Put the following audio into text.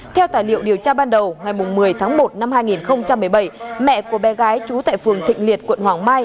theo tài liệu điều tra ban đầu ngày một mươi tháng một năm hai nghìn một mươi bảy mẹ của bé gái trú tại phường thịnh liệt quận hoàng mai